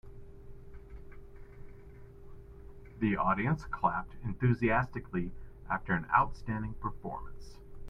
The audience clapped enthusiastically after an outstanding performance.